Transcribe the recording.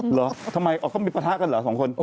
เหรอทำไมก็มีประทะกันเหรอ๒คน